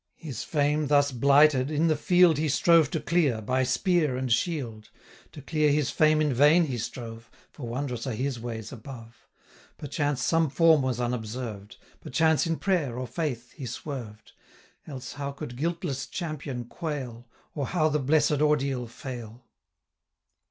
His fame, thus blighted, in the field He strove to clear, by spear and shield; To clear his fame in vain he strove, 605 For wondrous are His ways above! Perchance some form was unobserved; Perchance in prayer, or faith, he swerved; Else how could guiltless champion quail, Or how the blessed ordeal fail?